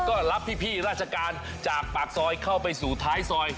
ก็รับพี่ราชการจากปากซอยเข้าไปสู่ท้ายซอย